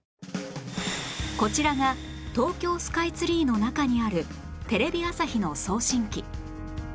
こちらが東京スカイツリーの中にあるテレビ朝日の送信機